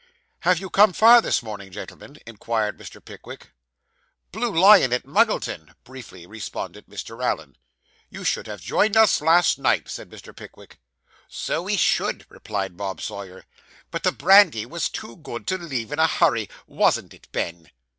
'Have you come far this morning, gentlemen?' inquired Mr. Pickwick. 'Blue Lion at Muggleton,' briefly responded Mr. Allen. 'You should have joined us last night,' said Mr. Pickwick. 'So we should,' replied Bob Sawyer, 'but the brandy was too good to leave in a hurry; wasn't it, Ben?